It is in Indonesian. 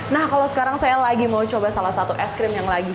nah kalau sekarang saya lagi mau coba salah satu es krim yang lagi